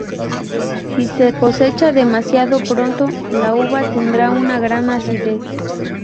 Si se cosecha demasiado pronto, la uva tendrá una gran acidez.